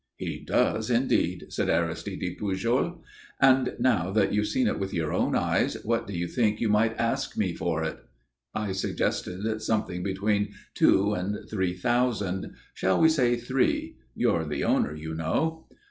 "He does indeed," said Aristide Pujol. "And now that you've seen it with your own eyes, what do you think you might ask me for it? I suggested something between two and three thousand shall we say three? You're the owner, you know."